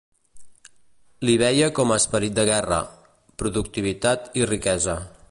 L'hi veia com a esperit de guerra, productivitat i riquesa.